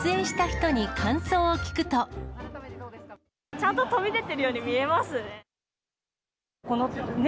ちゃんと飛び出てるように見えますね。